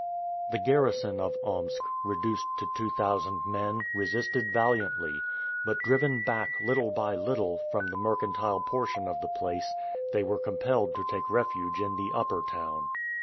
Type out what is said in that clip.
The garrison of Omsk, reduced to two thousand men, resisted valiantly. But driven back, little by little, from the mercantile portion of the place, they were compelled to take refuge in the upper town.